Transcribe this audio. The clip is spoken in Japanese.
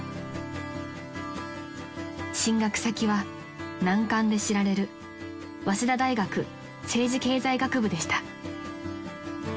［進学先は難関で知られる早稲田大学政治経済学部でした］